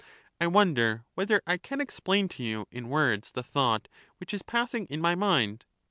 I wonder whether I can explain to you in words the thought which is passing in my mind.